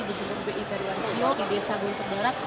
bintu bni periwansio di desa gunung terbarat